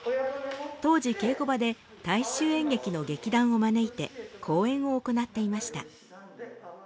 当時稽古場で大衆演劇の劇団を招いて公演を行っていました。